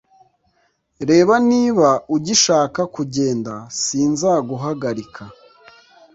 Reba niba ugishaka kugenda sinzaguhagarika